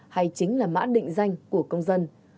hay chính là mã định danh của công dân